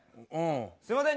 すいません。